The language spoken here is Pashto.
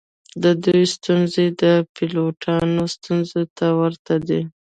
د دوی ستونزې د پیلوټانو ستونزو ته ورته دي